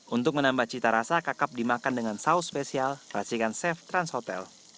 untuk menambah cita rasa kakap dimakan dengan saus spesial racikan chef trans hotel